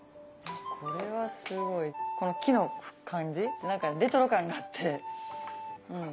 これはすごいこの木の感じレトロ感があって。